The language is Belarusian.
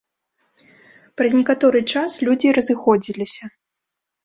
Праз некаторы час людзі разыходзіліся.